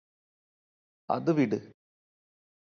അത് വിട്